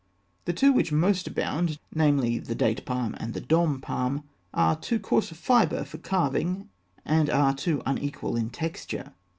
The two which most abound namely, the date palm and the dôm palm are of too coarse a fibre for carving, and are too unequal in texture.